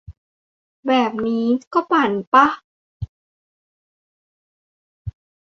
แบบนี้ก็ 'ปั่น' ป่ะ ?